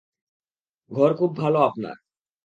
ঘর খুব ভালো আপনার।